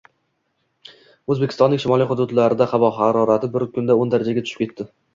Oʻzbekistonning shimoliy hududlarida havo harorati bir kunda o‘n darajaga tushib ketdi.